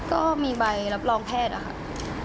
ก็มีใบรับรองแพทย์